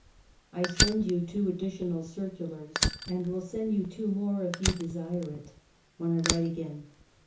" I send you two additional circulars, and will send you two more, if you desire it, when I write again."